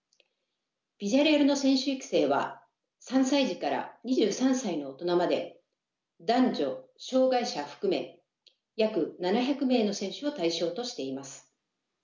ビジャレアルの選手育成は３歳児から２３歳の大人まで男女障がい者含め約７００名の選手を対象としています。